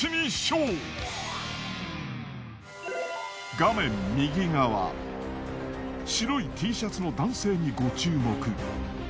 画面右側白いＴシャツの男性にご注目。